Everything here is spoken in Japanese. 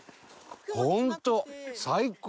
ホント最高！